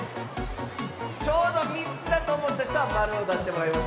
ちょうど３つだとおもったひとは○をだしてもらいます。